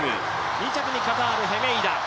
２着にカタール、ヘメイダ。